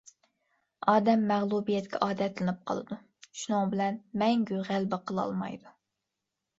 ئادەم مەغلۇبىيەتكە ئادەتلىنىپ قالىدۇ، شۇنىڭ بىلەن مەڭگۈ غەلىبە قىلالمايدۇ.